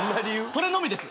それのみです。